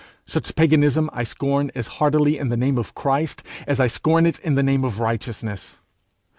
Such paganism I scorn as heartily in the name of Christ, as I scorn it in the name of righteousness.